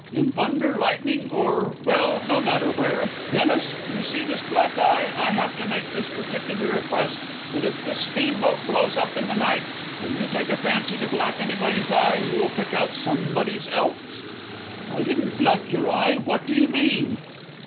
In thunder, lightning, or well, no matter where. Dennis, you see this black eye; I have to make this particular request, that if this steamboat blows up in the night, and you take a fancy to black anybody's eye, you'll pick out somebody's else." "I didn't black your eye; what do you mean?"